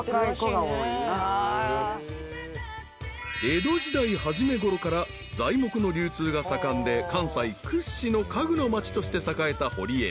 ［江戸時代初めごろから材木の流通が盛んで関西屈指の家具の町として栄えた堀江］